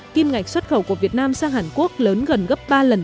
kim ngạch xuất khẩu của việt nam sang hàn quốc lớn gần gấp ba lần